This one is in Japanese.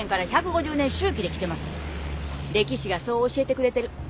歴史がそう教えてくれてる。